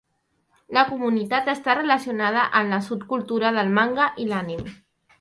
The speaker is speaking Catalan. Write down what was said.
La comunitat està relacionada amb la subcultura del manga i l'anime.